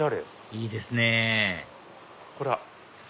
いいですねぇほら！